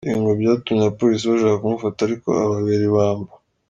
Ibi ngo byatumye abapolisi bashaka kumufata ariko ababera ibamba .